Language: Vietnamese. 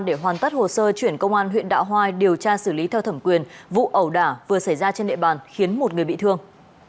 để hoàn tất hồ sơ chuyển công an huyện đạo hoai điều tra xử lý theo thẩm quyền vụ ẩu đả vừa xảy ra trên địa bàn khiến một người bị thương